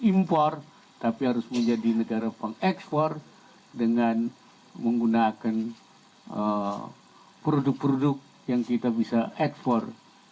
impor tapi harus menjadi negara pengekspor dengan menggunakan produk produk yang kita bisa ekspor